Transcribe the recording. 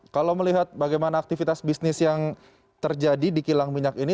kalau melihat bagaimana aktivitas bisnis yang terjadi di kilang minyak ini